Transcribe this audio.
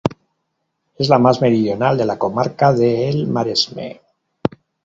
Es la más meridional de la comarca de El Maresme.